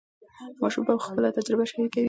ماشومان به خپله تجربه شریکوي.